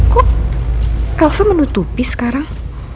kok elsa menutupi sekarang